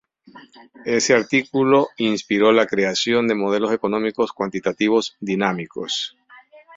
Ese artículo inspiró la creación de modelos económicos cuantitativos dinámicos.